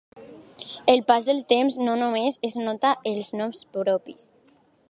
El pas del temps no només es nota en els noms propis.